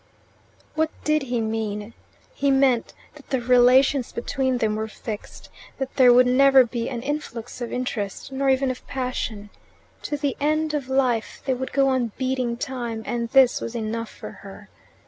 What did he mean? He meant that the relations between them were fixed that there would never be an influx of interest, nor even of passion. To the end of life they would go on beating time, and this was enough for her.